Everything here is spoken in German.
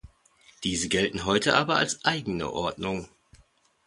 Diese gelten heute aber als eigene Ordnung.